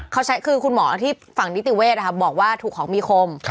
คือคุณหมอที่ฝั่งนิติเวทย์บอกว่าถูกของมีคม